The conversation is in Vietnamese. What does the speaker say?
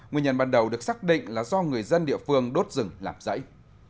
nguyên nhân ban đầu được xác định là do người dân địa phương đốt rừng làm rẫy